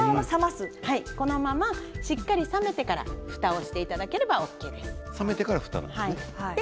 このまましっかり冷めてからふたをしていただければＯＫです。